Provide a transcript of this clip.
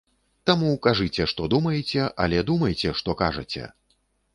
Таму кажыце, што думаеце, але думайце, што кажаце!